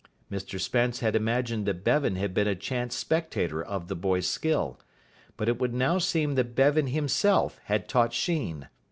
Mr Spence had imagined that Bevan had been a chance spectator of the boy's skill; but it would now seem that Bevan himself had taught Sheen.